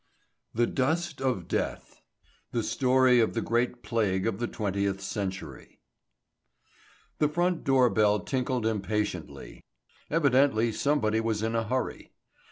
] THE DUST OF DEATH. The Story of the Great Plague of the Twentieth Century. The front door bell tinkled impatiently; evidently somebody was in a hurry.